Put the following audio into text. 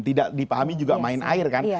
tidak dipahami juga main air kan